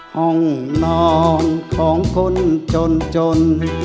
ห้องนอนของคนจนจน